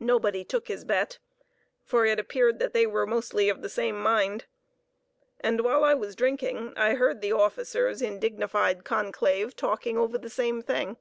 Nobody took his bet, for it appeared that they were mostly of the same mind, and while I was drinking I heard the officers in dignified conclave talking over the same thing.